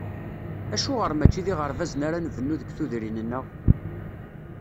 Acuɣer mačči d iɣerbazen ara nbennu deg tudrin-nneɣ?